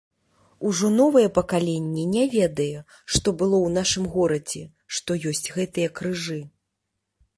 Ужо новае пакаленне не ведае, што было ў нашым горадзе, што ёсць гэтыя крыжы.